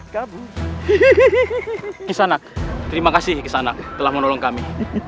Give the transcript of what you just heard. kabur kisah nak terima kasih kesana telah menolong kami